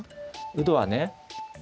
うどはね